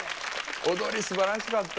踊りすばらしかった。